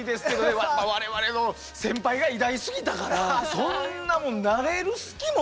やっぱ我々の先輩が偉大すぎたからそんなもんなれる隙もない。